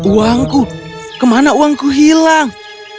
uangku kemana uangku hilang